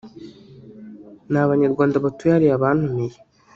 ni Abanyarwanda batuye hariya bantumiye